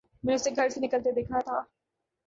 میں نے اسے گھر سے نکلتے دیکھا تھا